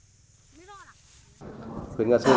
huyện ủy ubnd huyện nga sơn